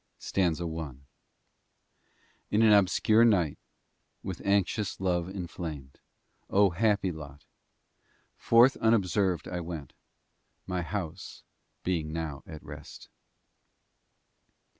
STANZA I, In an obscure night, With anxious love inflamed, O, happy lot! Forth unobserved I went, My house being now at rest.